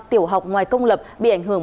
tiểu học ngoài công lập bị ảnh hưởng